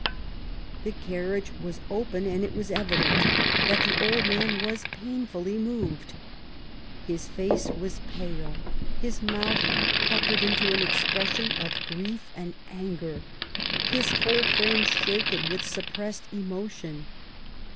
The carriage was open and it was evident that the old man was painfully moved. His face was pale, his mouth puckered into an expression of grief and anger, his whole frame shaken with suppressed emotion.